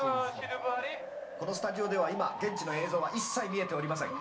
このスタジオでは今、現地の映像は一切見えておりません！